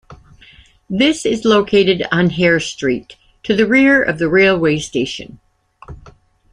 This is located on Hare Street to the rear of the railway station.